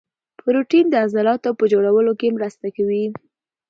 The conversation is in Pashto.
پروټین د عضلاتو په جوړولو کې مرسته کوي